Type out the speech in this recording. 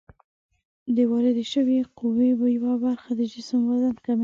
د واردې شوې قوې یوه برخه د جسم وزن کموي.